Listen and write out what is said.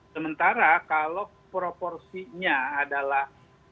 sementara kalau proporsinya adalah empat puluh enam puluh